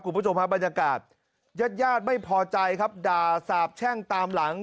กลุ่มประชุมภาพบรรยากาศญาติย่านไม่พอใจครับด่าสาบแช่งตามหลัง